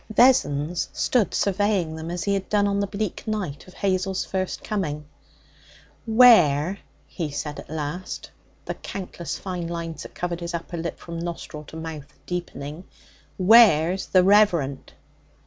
Vessons stood surveying them as he had done on the bleak night of Hazel's first coming. 'Where,' he said at last, the countless fine lines that covered his upper lip from nostril to mouth deepening 'where's the reverent?'